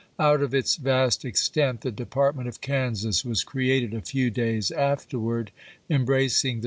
Out of its vast extent the Department of Kansas was created a few days afterward, embracing the Nov.